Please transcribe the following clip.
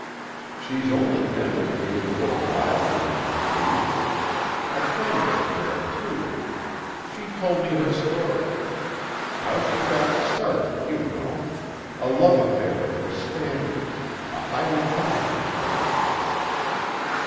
"She's only been in the game a little while, you know, Hugh. A convent girl, too. She told me her story. How she got started, you know. A love affair with a Spaniard. A highly connected fellow."